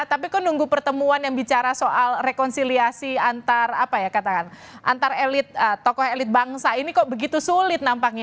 tapi kok nunggu pertemuan yang bicara soal rekonsiliasi antara elit tokoh elit bangsa ini kok begitu sulit nampaknya